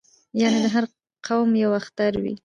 یعنې د هر قوم یو اختر وي